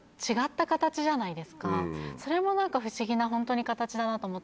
それも何か不思議な形だなと思って。